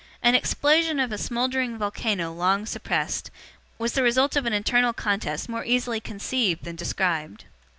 An explosion of a smouldering volcano long suppressed, was the result of an internal contest more easily conceived than described.